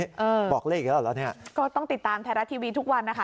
เออบอกเลขอีกแล้วเหรอเนี้ยก็ต้องติดตามไทยรัฐทีวีทุกวันนะคะ